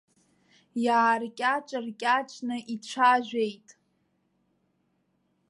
Иааркьаҿ-ркьаҿны ицәажәеит.